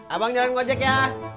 abang jalan wajek ya